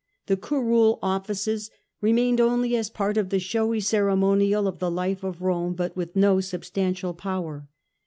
The Curule offices sovereign, remained only as part of the showy ceremonial of the life of Rome, but with no substantial power.